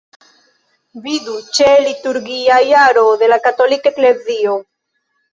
Vidu ĉe Liturgia jaro de la Katolika Eklezio.